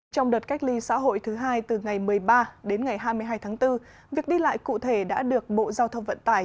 trong đợt cách ly xã hội thứ hai từ ngày một mươi ba đến ngày hai mươi hai tháng bốn việc đi lại cụ thể đã được bộ giao thông vận tải